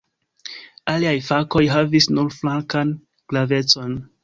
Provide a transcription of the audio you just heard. Aliaj fakoj havis nur flankan gravecon.